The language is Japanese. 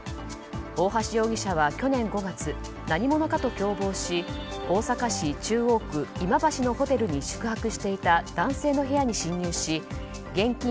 大橋容疑者は去年５月何者かと共謀し大阪市中央区今橋のホテルに宿泊していた男性の部屋に侵入し現金